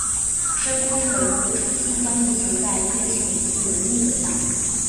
深空门户初期将运行在月球附近的晕轨道。